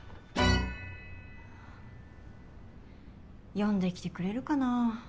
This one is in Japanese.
呼んで来てくれるかなあ。